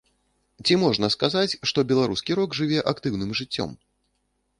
Ці можна сказаць, што беларускі рок жыве актыўным жыццём?